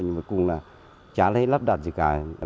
nhưng mà cùng là chả lấy lắp đặt gì cả